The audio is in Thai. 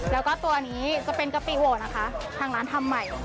แล้วก็ตัวนี้จะเป็นกะปิโวนะคะทางร้านทำใหม่